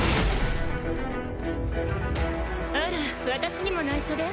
あら私にも内緒で？